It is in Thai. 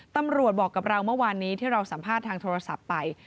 ตำรวจบอกกับเราเมื่อวานนี้ที่เราสัมภาษณ์ทางโทรศัพท์ไป